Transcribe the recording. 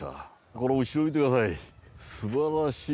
この後ろ見てください。